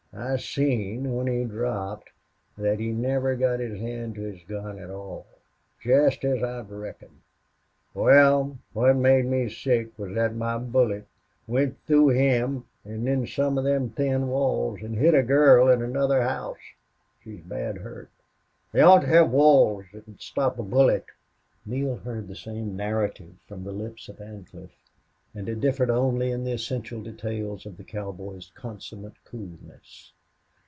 "I seen, when he dropped, thet he never got his hand to his gun at all.... Jest as I'd reckoned.... Wal, what made me sick was that my bullet went through him an' then some of them thin walls an' hit a girl in another house. She's bad hurt.... They ought to have walls thet'd stop a bullet." Neale heard the same narrative from the lips of Ancliffe, and it differed only in the essential details of the cowboy's consummate coolness.